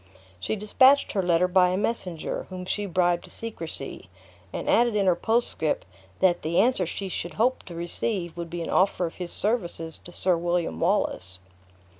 She dispatched her letter by a messenger, whom she bribed to secrecy; and added in her postscript, "that the answer she should hope to receive would be an offer of his services to Sir William Wallace."